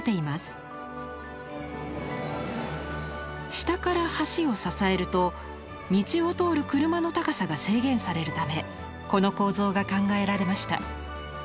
下から橋を支えると道を通る車の高さが制限されるためこの構造が考えられました。